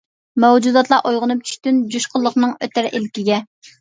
مەۋجۇداتلار ئويغىنىپ چۈشتىن، جۇشقۇنلۇقنىڭ ئۆتەر ئىلكىگە.